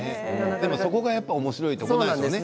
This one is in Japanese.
でも、そこがおもしろいところでしょうね